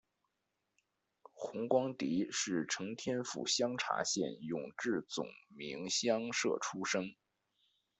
洪光迪是承天府香茶县永治总明乡社出生。